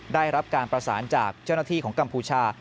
ได้รับการประสานจากเจ้าหน้าที่ของกัมพูชา